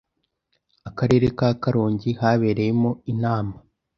akarere ka Karongi habereyemo inama